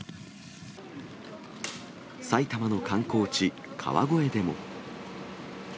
埼玉の観光地、川越でも。